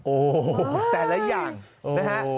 โอ้โหแต่ละอย่างนะฮะ